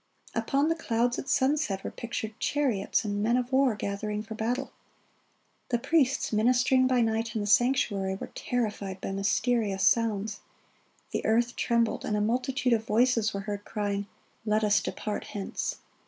Upon the clouds at sunset were pictured chariots and men of war gathering for battle. The priests ministering by night in the sanctuary were terrified by mysterious sounds; the earth trembled, and a multitude of voices were heard crying, "Let us depart hence."